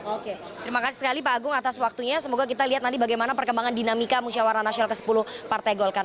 oke terima kasih sekali pak agung atas waktunya semoga kita lihat nanti bagaimana perkembangan dinamika musyawarah nasional ke sepuluh partai golkar